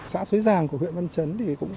xã xối giàng của huyện văn chấn cũng có